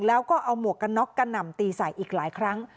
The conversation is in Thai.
แล้วก็เอาหมวกกันน็อกกระหน่ำตีใส่อีกหลายครั้ง